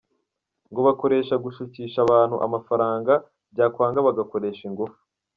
Ngo bakoresha gushukisha abantu amafaranga, byakwanga bagakoresha ingufu.